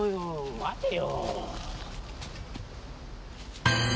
待てよ。